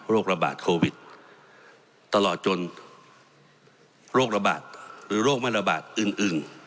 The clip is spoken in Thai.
ระบาดโควิดตลอดจนโรคระบาดหรือโรคไม่ระบาดอึ้ง